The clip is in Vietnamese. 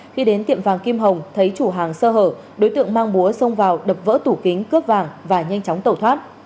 khi đến tiệm vàng kim hồng thấy chủ hàng sơ hở đối tượng mang búa xông vào đập vỡ tủ kính cướp vàng và nhanh chóng tẩu thoát